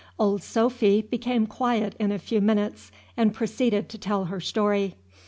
Old Sophy became quiet in a few minutes, and proceeded to tell her story.